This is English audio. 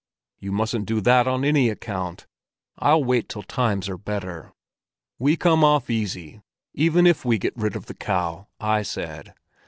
You mustn't do that on any account; I'll wait till times are better.' 'We come off easily, even if we get rid of the cow,' I said.